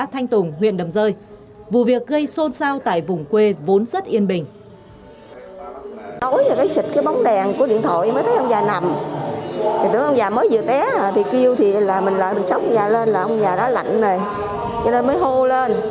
hãy đăng ký kênh để ủng hộ kênh của chúng mình nhé